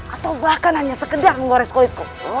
atau bahkan hanya sekedar mengores kulitku